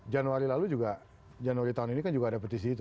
januari lalu juga januari tahun ini kan juga ada petisi itu